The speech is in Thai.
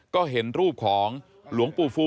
ก็เห็นรูปของหลวงปู่ฟูติดอยู่